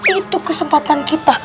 itu kesempatan kita